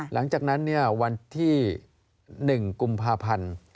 หลังจากนั้นวันที่๑กุมภาพันธ์